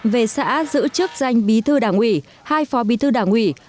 về xã giữ chức danh bí thư đảng ủy hai phó bí thư đảng ủy